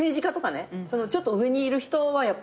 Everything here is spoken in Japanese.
ちょっと上にいる人はやっぱやりやすい。